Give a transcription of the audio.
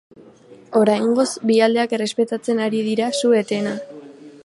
Oraingoz, bi aldeak errespetatzen ari dira su-etena.